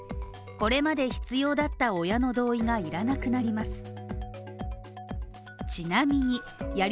これまで必要だった親の同意が要らなくなります。